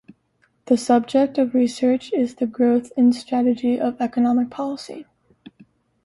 The subject of research is the growth and strategy of economic policy.